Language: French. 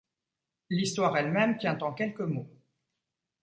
L'histoire elle-même tient en quelques mots.